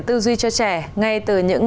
tư duy cho trẻ ngay từ những